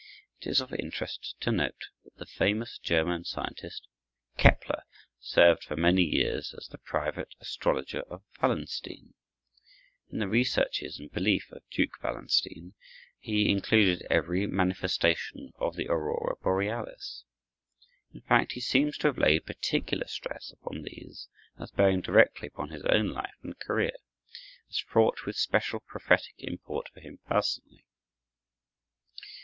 It is of interest to note that the famous German scientist, Kepler, served for many years as the private astrologer of Wallenstein, In the researches and belief of Duke Wallenstein he included every manifestation of the aurora borealis. In fact, he seems to have laid particular stress upon these as bearing directly upon his own life and career, as fraught with special prophetic import for him personally.